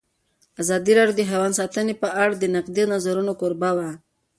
ازادي راډیو د حیوان ساتنه په اړه د نقدي نظرونو کوربه وه.